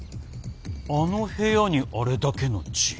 あの部屋にあれだけの血。